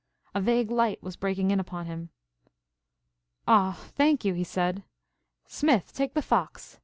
A vague light was breaking in upon him. "Aw, thank you," he said. "Smith, take the fox.